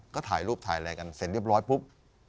ก็ถ่ายรูปถ่ายอะไรกันเสร็จเรียบร้อยปุ๊บ